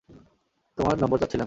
তোমার নম্বর চাচ্ছিলাম।